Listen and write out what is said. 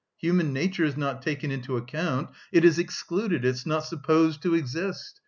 Human nature is not taken into account, it is excluded, it's not supposed to exist!